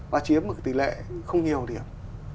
và chiếm một tỷ lệ không nhiều điểm